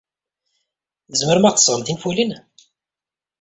Tzemrem ad aɣ-d-tesɣem tinfulin?